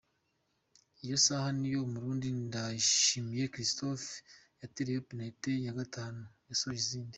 Iyo saha niyo Umurundi Ndayishimiye Christophe yatereyeho Penaliti ya gatanu yasoje izindi.